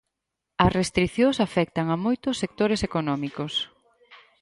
As restricións afectan a moitos sectores económicos.